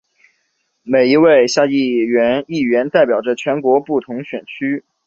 每一位下议院议员代表着全国不同选区。